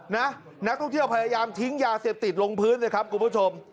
นักท่องเที่ยวพยายามทิ้งยาเสพติดลงพื้นสิครับคุณผู้ชม